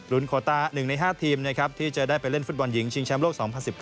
โคต้า๑ใน๕ทีมนะครับที่จะได้ไปเล่นฟุตบอลหญิงชิงแชมป์โลก๒๐๑๙